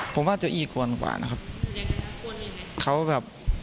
ผมว่าโจอี้กวนกว่านะครับ